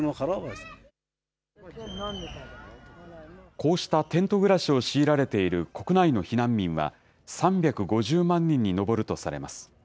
こうしたテント暮らしを強いられている国内の避難民は、３５０万人に上るとされます。